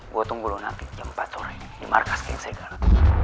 gue tunggu lo nanti jam empat sore di markas geng serigala